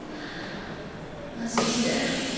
安心して。